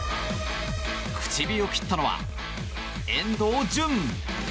口火を切ったのは遠藤純！